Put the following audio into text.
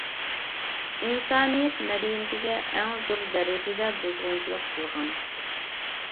ئىنسانىيەت مەدەنىيىتىگە ئەڭ زور دەرىجىدە بۇزغۇنچىلىق قىلغان.